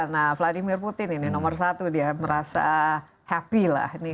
nah vladimir putin ini nomor satu dia merasa happy lah ini